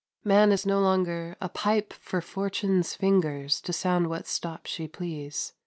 Man is no longer "a pipe for fortune's fingers to sound what stop she please."